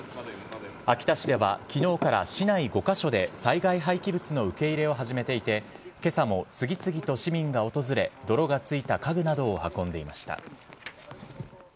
秋田市ではきのうから市内５か所で災害廃棄物の受け入れを始めていて、けさも次々と市民が訪れ、泥がついた家具などを運んでいました。